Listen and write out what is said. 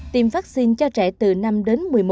tiêm vaccine cho trẻ từ năm đến một mươi năm tuổi